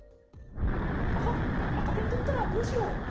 ハハッ、赤点取ったらどうしよう